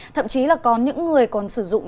thậm chí là có những người còn sử dụng